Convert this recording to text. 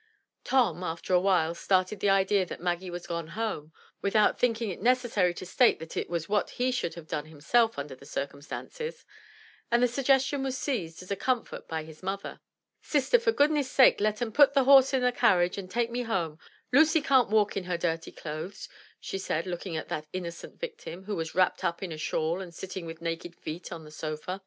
Tom, after a while, started the idea that Maggie was gone home (without thinking it necessary to state that it was what he should have done himself under the circumstances), and the suggestion was seized as a comfort by his mother. "Sister, for goodness' sake let 'em put the horse in the carriage and take me home. Lucy can't walk in her dirty clothes," she said, looking at that innocent victim who was wrapped up in a shawl, and sitting with naked feet on the sofa.